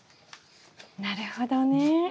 なるほどね。